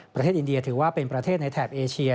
ประเทศอินเดียถือว่าเป็นประเทศในแถบเอเชีย